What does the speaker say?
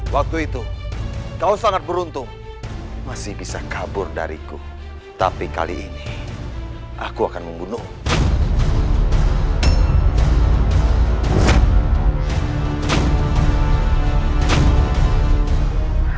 waktu itu kau sangat beruntung masih bisa kabur dariku tapi kali ini aku akan membunuh